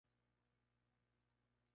Dr. Luis Beltrán Alfaro, el Pbro.